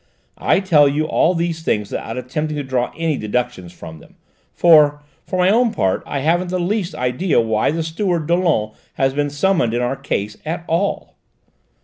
I tell you all these things without attempting to draw any deductions from them, for, for my own part, I haven't the least idea why the steward, Dollon, has been summoned in our case at all."